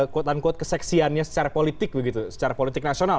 kuot an kuot keseksiannya secara politik begitu secara politik nasional